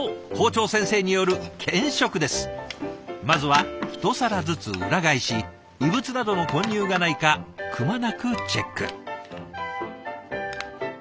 まずはひと皿ずつ裏返し異物などの混入がないかくまなくチェック。